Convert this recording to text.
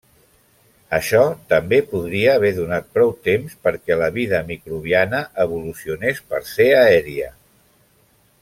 Això també podria haver donat prou temps perquè la vida microbiana evolucionés per ser aèria.